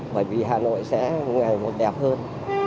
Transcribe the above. bởi vì hà nội sẽ ngày một đẹp hơn